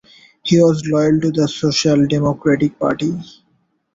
He was loyal to the Social Democratic Party.